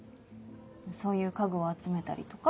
そういう家具を集めたりとか。